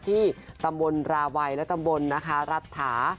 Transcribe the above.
ที่ตำบลราไว้และตำบลรัฐหา